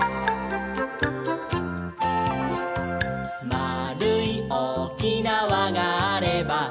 「まあるいおおきなわがあれば」